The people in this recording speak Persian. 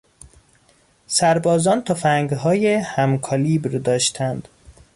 سربازان تفنگهای هم کالیبر داشتند.